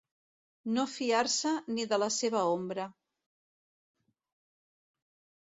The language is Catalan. No fiar-se ni de la seva ombra.